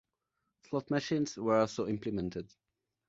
Slot machines were also implemented.